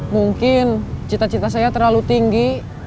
mungkin cita cita saya terlalu tinggi